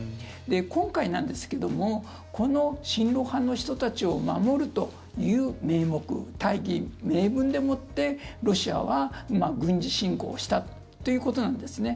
今回なんですけどもこの親ロ派の人たちを守るという名目大義名分でもってロシアは軍事侵攻したということなんですね。